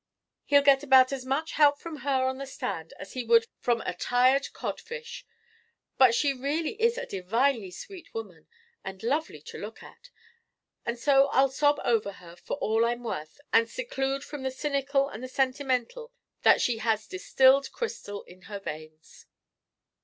He'll get about as much help from her on the stand as he would from a tired codfish. But she really is a divinely sweet woman and lovely to look at, and so I'll sob over her for all I'm worth and seclude from the cynical and the sentimental that she has distilled crystal in her veins."